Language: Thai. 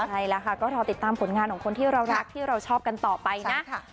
ใช่แล้วค่ะก็รอติดตามผลงานของคนที่เรารักที่เราชอบกันต่อไปนะ